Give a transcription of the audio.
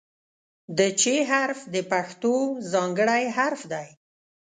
د "چ" حرف د پښتو ځانګړی حرف دی.